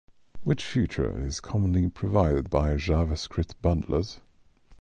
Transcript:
Which feature is commonly provided by JavaScript bundlers?